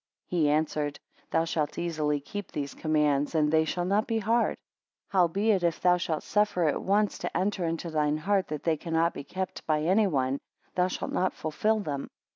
15 He answered, Thou shalt easily keep these commands, and they shall not be hard: howbeit, if thou shalt suffer it once to enter into thine heart that they cannot be kept by any one, thou shalt not fulfil them.